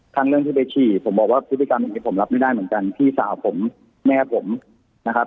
เรื่องที่ไปฉี่ผมบอกว่าพฤติกรรมอย่างนี้ผมรับไม่ได้เหมือนกันพี่สาวผมแม่ผมนะครับ